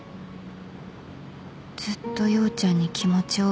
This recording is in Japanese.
ずっと陽ちゃんに気持ちをぶつけていた